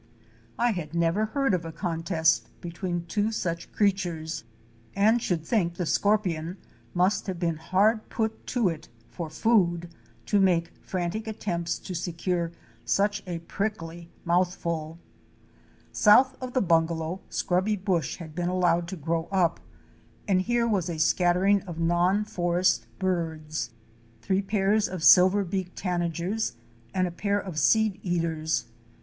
T had never heard of a contest between two such creatures, and should think the scorpion must have been hard put to it for food, to make frantic attempts to secure such a prickly mouthful. Fic. 127. SCORPION AND CATERPILLAR AFTER THEIR BATTLE. South of the bungalow, scrubby bush had been allowed to grow up and here was a scattering of non forest birds; three pairs of Silver beak Tanagers "° and a pair of Seed eaters.!